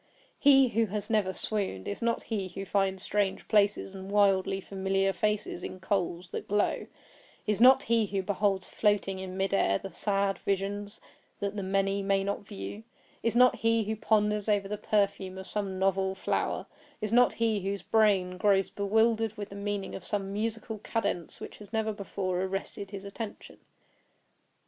He who has never swooned, is not he who finds strange palaces and wildly familiar faces in coals that glow; is not he who beholds floating in mid air the sad visions that the many may not view; is not he who ponders over the perfume of some novel flower; is not he whose brain grows bewildered with the meaning of some musical cadence which has never before arrested his attention.